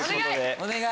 お願い！